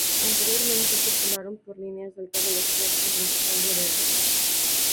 Anteriormente circularon por líneas de alta velocidad mediante cambio de ancho.